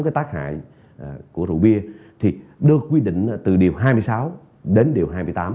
cái tác hại của rượu bia thì được quy định từ điều hai mươi sáu đến điều hai mươi tám